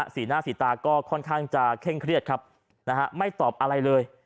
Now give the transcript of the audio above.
สีหน้าสีตาก็ค่อนข้างจะเคร่งเครียดครับไม่ตอบอะไรเลย